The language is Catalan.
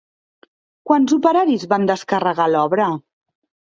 Quants operaris van descarregar l'obra?